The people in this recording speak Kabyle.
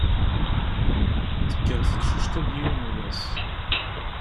Tekker teqcict-a deg yiwen n wass!